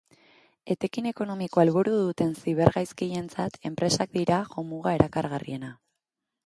Etekin ekonomikoa helburu duten ziber gaizkileentzat, enpresak dira jomuga erakargarriena.